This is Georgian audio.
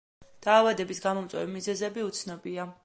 დაავადების გამომწვევი მიზეზები უცნობია.